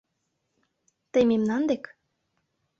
— Тый мемнан дек?